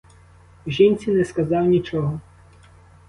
Жінці не сказав нічого.